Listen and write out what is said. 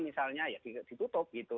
misalnya ya ditutup gitu